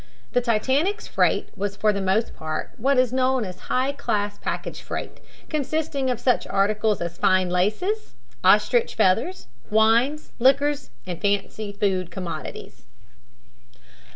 The Titanic's freight was for the most part what is known as high class package freight, consisting of such articles as fine laces, ostrich feathers, wines, liquors and fancy food commodities.